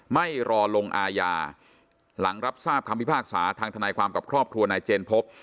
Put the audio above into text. ไม่รอลงอาญาหลังรับทราบคำพิพากษาทางทนายความกับครอบครัวนายเจนพบ